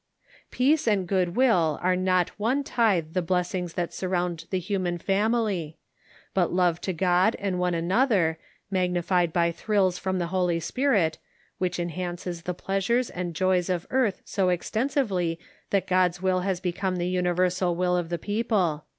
Peace and good will are not one tithe the blessings that surround the human family ; but love to God and one another, magnified by thrills from the Holy Spirit, which enhances the pleasures and joys of earth so extensively that God's will has become the universal will of the people.